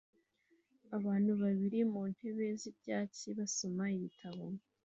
Abantu babiri mu ntebe z'ibyatsi basoma ibitabo